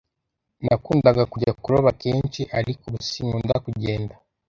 Nakundaga kujya kuroba kenshi, ariko ubu sinkunda kugenda.